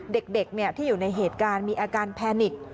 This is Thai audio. เด็กที่อยู่ในเหตุการณ์มีอาการแพนิก